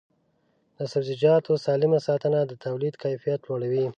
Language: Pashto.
د سبزیجاتو سالم ساتنه د تولید کیفیت لوړوي.